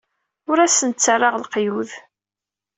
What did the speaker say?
Ur asent-ttarraɣ leqyud.